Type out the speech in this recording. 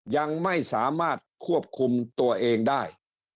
ยังไม่สามารถควบคุมตัวเองได้